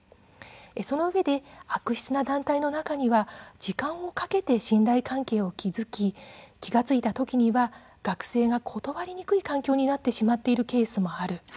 そのうえで悪質な団体の中には時間をかけて信頼関係を築き気が付いた時には学生が断りにくい環境になってしまっているケースもある。